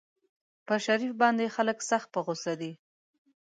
پر شریف باندې خلک سخت په غوسه دي.